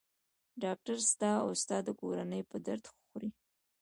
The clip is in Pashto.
ډاکټر ستا او ستا د کورنۍ په درد خوري.